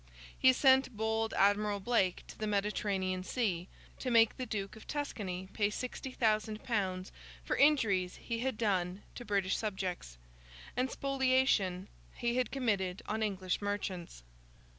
He sent bold Admiral Blake to the Mediterranean Sea, to make the Duke of Tuscany pay sixty thousand pounds for injuries he had done to British subjects, and spoliation he had committed on English merchants.